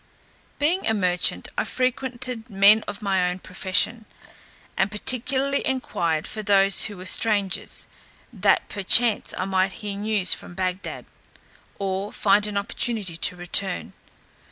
Being a merchant, I frequented men of my own profession, and particularly enquired for those who were strangers, that perchance I might hear news from Bagdad, or find an opportunity to return.